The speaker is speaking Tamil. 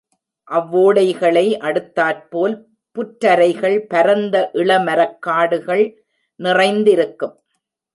அவ்வோடைகளை அடுத்தாற்போல் புற்றரைகள், பரந்த இளமரக்காடுகள் நிறைந்திருக்கும்.